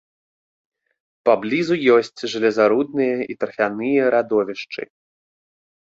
Паблізу ёсць жалезарудныя і тарфяныя радовішчы.